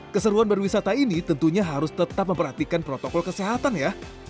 keseruan berwisata ini tentunya harus tetap memperhatikan protokol kesehatan ya